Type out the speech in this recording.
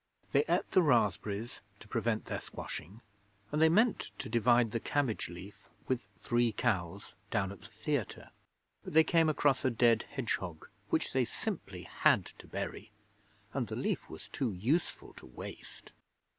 They ate the raspberries to prevent their squashing, and they meant to divide the cabbage leaf with Three Cows down at the Theatre, but they came across a dead hedgehog which they simply had to bury, and the leaf was too useful to waste.